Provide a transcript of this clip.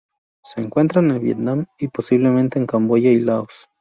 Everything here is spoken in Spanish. Se encuentra en Vietnam y, posiblemente en Camboya y Laos.